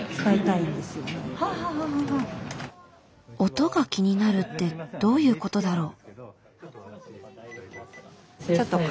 音が気になるってどういうことだろう？